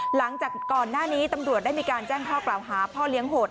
หลังจากก่อนหน้านี้ตำรวจได้มีการแจ้งข้อกล่าวหาพ่อเลี้ยงโหด